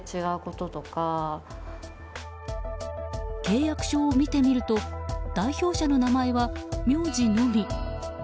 契約書を見てみると代表者の名前は名字のみ。